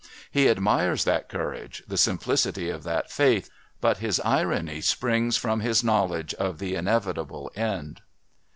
He admires that courage, the simplicity of that faith, but his irony springs from his knowledge of the inevitable end.